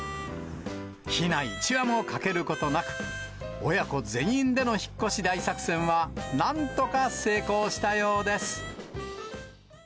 ひな１羽も欠けることなく、親子全員での引っ越し大作戦は、なんとか成功したようです。